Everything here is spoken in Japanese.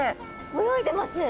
泳いでます。